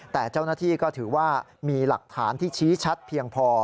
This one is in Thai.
แต่เจ้าหน้าที่ก็ถือว่ามีหลักฐานที่ชี้ชัดเพียงพอ